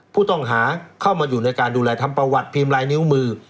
ผู้ต้องหาเข้ามาอยู่ในการดูแลทำประวัติพิมพ์ลายนิ้วมือ